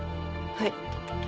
はい。